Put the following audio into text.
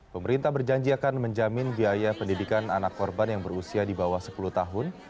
pemerintah berjanji akan menjamin biaya pendidikan anak korban yang berusia di bawah sepuluh tahun